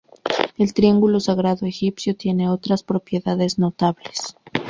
El triángulo sagrado egipcio tiene otras propiedades notables.